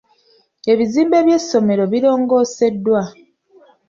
Ebizimbe by'essomero birongooseddwa.